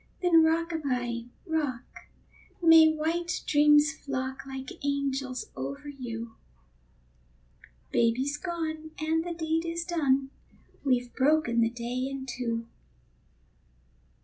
Then rock a by, rock, may white dreams flock Like angels over you; Baby's gone, and the deed is done, We've broken the day in two.